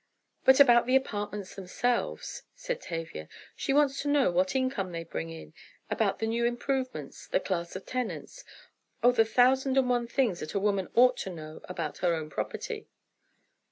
"But about the apartments themselves," said Tavia. "She wants to know what income they bring in—about the new improvements—the class of tenants—Oh, the thousand and one things that a woman ought to know about her own property."